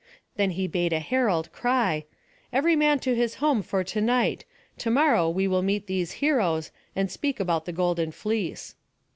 Then he bade a herald cry, "Every man to his home for to night. To morrow we will meet these heroes, and speak about the golden fleece."